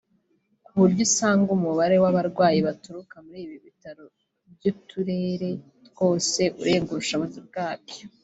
kuburyo usanga umubare w’abarwayi baturuka muri ibi bitaro by’uturere twose urenga ubushobozi bwabyo